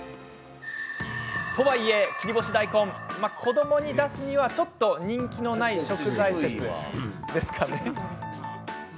とはいえ、切り干し大根子どもに出すには、ちょっと人気のない食材説ですかね。